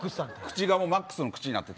口がマックスの口になってる。